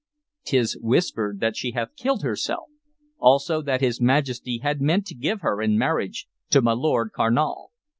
"'T is whispered that she hath killed herself; also, that his Majesty had meant to give her in marriage to my Lord Carnal.